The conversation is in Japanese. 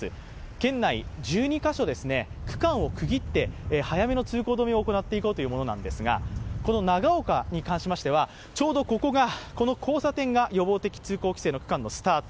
県内１２か所、区間を区切って早めの通行止めを行っていこうというものなんですが、この長岡に関しましては、ちょうどこの交差点が予防的通行区間のスタート。